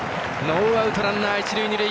ノーアウト、ランナー、一塁二塁。